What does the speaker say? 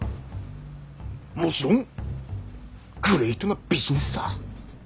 もちろんグレイトなビジネスさ。